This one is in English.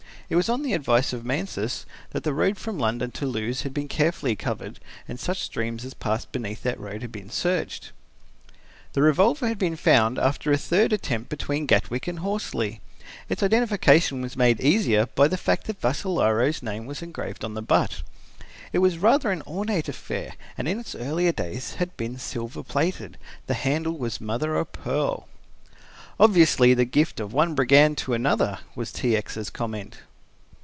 It was on the advice of Mansus that the road from London to Lewes had been carefully covered and such streams as passed beneath that road had been searched. The revolver had been found after the third attempt between Gatwick and Horsley. Its identification was made easier by the fact that Vassalaro's name was engraved on the butt. It was rather an ornate affair and in its earlier days had been silver plated; the handle was of mother o' pearl. "Obviously the gift of one brigand to another," was T. X.'s comment.